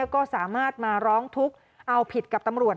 ก็สามารถมาร้องทุกข์เอาผิดกับตำรวจ